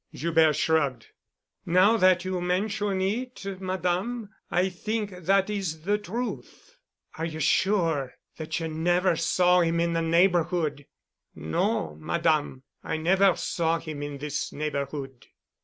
Joubert shrugged. "Now that you mention it, Madame, I think that is the truth." "Are you sure that you never saw him in the neighborhood?" "No, Madame. I never saw him in this neighborhood."